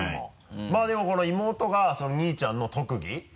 まぁでも妹が兄ちゃんの特技？